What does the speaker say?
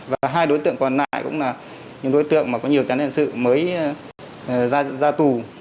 và hai đối tượng còn lại cũng là những đối tượng có nhiều thiền sự mới ra tù